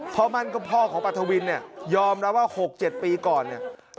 พ่อมั่นก็พ่อของปัทวินเนี่ยยอมรับว่า๖๗ปีก่อนเนี่ย